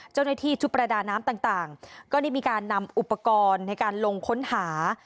เจ้าหน้าที่ชุดประดาน้ำต่างก็ได้มีการนำอุปกรณ์ในการลงค้นหา